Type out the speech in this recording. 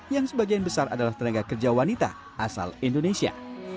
yang sebagian besar adalah tenaga kerja wanita asal indonesia